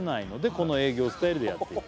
「この営業スタイルでやっている」